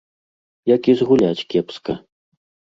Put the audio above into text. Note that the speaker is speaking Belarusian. Як і згуляць кепска.